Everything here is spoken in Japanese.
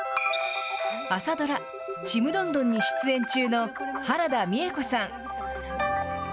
朝ドラ、ちむどんどんに出演中の原田美枝子さん。